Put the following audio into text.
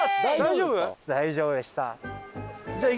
大丈夫でした。